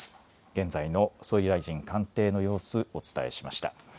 現在の総理大臣官邸の様子、お伝えしました。